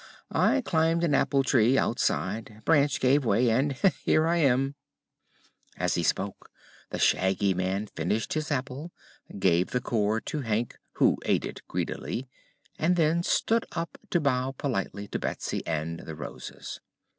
I climbed an apple tree, outside; branch gave way and here I am." As he spoke the Shaggy Man finished his apple, gave the core to Hank who ate it greedily and then stood up to bow politely to Betsy and the Roses.